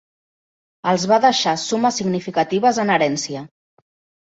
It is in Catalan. Els va deixar sumes significatives en herència.